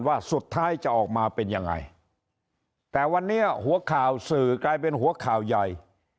ว่าสุดท้ายจะออกมาเป็นยังไงแต่วันนี้หัวข่าวสื่อกลายเป็นหัวข่าวใหญ่